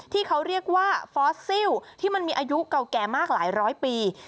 ที่เขาเรียกว่าฟอสซิลที่มันมีอายุเก่าแก่มากหลายร้อยปี